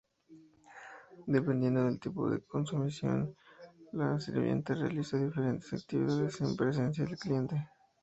Dependiendo del tipo de consumición, la sirvienta realiza diferentes actividades en presencia del cliente.